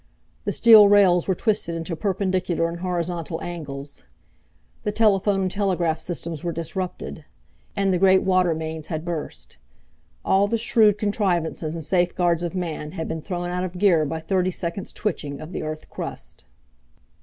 The steel rails were twisted into perpendicular and horizontal angles. The telephone and telegraph systems were disrupted. And the great water mains had burst. All the shrewd contrivances and safeguards of man had been thrown out of gear by thirty seconds' twitching of the earth crust.